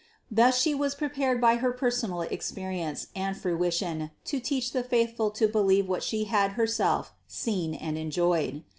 Thus She was prepared by her personal experience and fruition to teach the faithful to believe what She had herself seen and enjoyed.